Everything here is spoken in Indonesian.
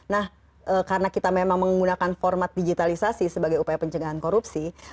nah karena kita memang menggunakan format digitalisasi sebagai upaya pencegahan korupsi